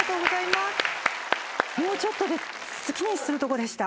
もうちょっとで月にするとこでした。